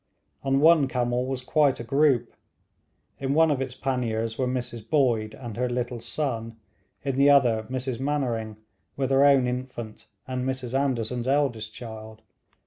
On one camel was quite a group. In one of its panniers were Mrs Boyd and her little son, in the other Mrs Mainwaring, with her own infant and Mrs Anderson's eldest child.